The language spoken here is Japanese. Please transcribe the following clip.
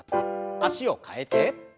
脚を替えて。